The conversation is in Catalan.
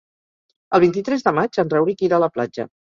El vint-i-tres de maig en Rauric irà a la platja.